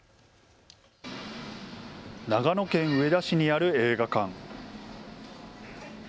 長野県上田市にある映画館。